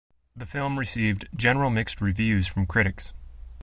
The film received general mixed reviews from critics.